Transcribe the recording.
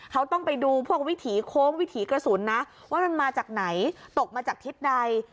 เขาต้องไปดูพวกวิถีโค้งวิถีกระสุนนะว่ามันมาจากไหนตกมาจากทิศใด